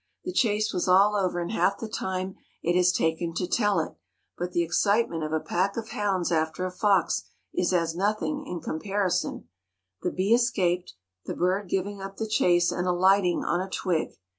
The chase was all over in half the time that it has taken to tell it, but the excitement of a pack of hounds after a fox is as nothing, in comparison. The bee escaped, the bird giving up the chase and alighting on a twig.